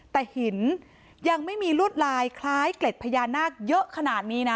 แต่หินยังไม่มีลวดลายคล้ายเกล็ดพญานาคเยอะขนาดนี้นะ